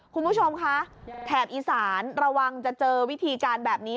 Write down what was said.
คุณผู้ชมคะแถบอีสานระวังจะเจอวิธีการแบบนี้